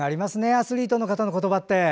アスリートの方の言葉って。